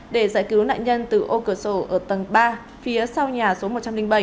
để giải cứu nạn nhân từ ô cửa sổ ở tầng ba phía sau nhà số một trăm linh bảy